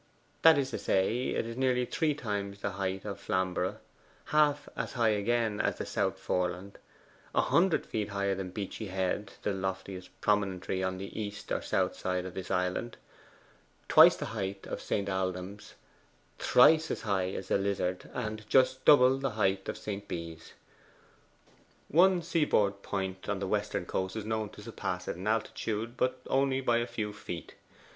That is to say, it is nearly three times the height of Flamborough, half as high again as the South Foreland, a hundred feet higher than Beachy Head the loftiest promontory on the east or south side of this island twice the height of St. Aldhelm's, thrice as high as the Lizard, and just double the height of St. Bee's. One sea bord point on the western coast is known to surpass it in altitude, but only by a few feet.